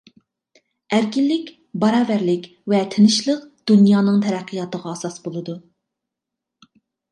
ئەركىنلىك، باراۋەرلىك ۋە تىنچلىق دۇنيانىڭ تەرەققىياتىغا ئاساس بولىدۇ.